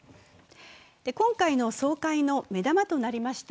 今回の総会の目玉となりました